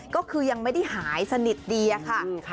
ก็คือยังไม่ได้หายสนิทดีอะค่ะ